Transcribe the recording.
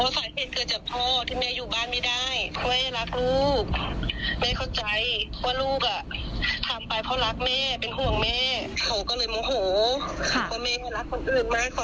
สาเหตุเกิดจากพ่อที่แม่อยู่บ้านไม่ได้เพราะแม่รักลูกแม่เข้าใจว่าลูกอ่ะทำไปเพราะรักแม่เป็นห่วงแม่เขาก็เลยโมโหว่าแม่เขารักคนอื่นมากค่ะ